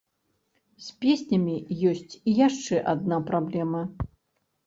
З песнямі ёсць і яшчэ адна праблема.